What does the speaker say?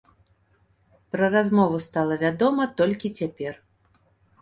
Пра размову стала вядома толькі цяпер.